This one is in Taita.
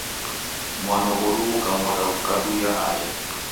Mwano ghoruw'uka moda ghukaduya aja